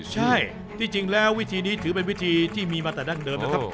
ใช่ที่จริงแล้ววิธีนี้ถือเป็นวิธีที่มีมาแต่ดั้งเดิมนะครับ